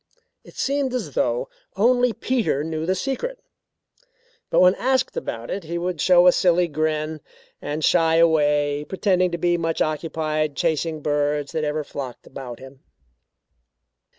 It seemed as though only Peter knew the secret but when asked about it he would show a silly grin and shy away, pretending to be much occupied chasing the birds that ever flocked about him.